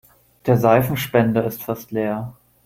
Der Seifenspender ist fast leer.